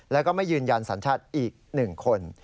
แล้วก็ไม่ยืนยันสัญชาติอีก๑คน